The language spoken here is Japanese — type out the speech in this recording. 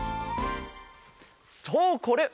そうこれ！